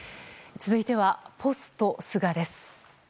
続いては、ポスト菅です。